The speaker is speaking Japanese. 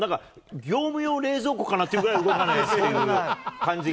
業務用冷蔵庫かなっていう感じくらい、動かないという感じが。